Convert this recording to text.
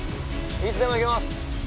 いつでもいけます。